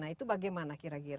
nah itu bagaimana kira kira